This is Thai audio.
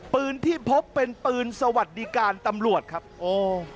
ปืนที่พบเป็นปืนสวัสดิการตำรวจครับโอ้